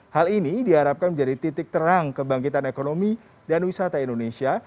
hal ini diharapkan menjadi titik terang kebangkitan ekonomi dan wisata indonesia